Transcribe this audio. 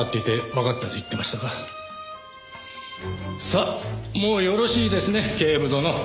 さあもうよろしいですね警部殿。